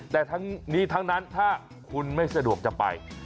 แต่ทั้งนี้ทั้งนั้นถ้าคุณไม่สะดวกจะไป